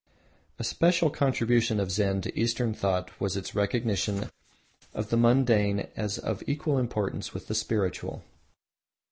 A special contribution of Zen to Eastern thought was its recognition of the mundane as of equal importance with the spiritual.